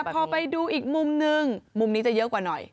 พอไปดูอีกมุมนึงมุมนี้จะเยอะกว่าหน่อย